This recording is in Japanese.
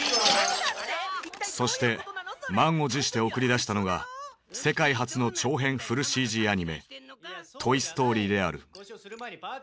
そして満を持して送り出したのが世界初の長編フルＣＧアニメ「トイ・ストーリー」である。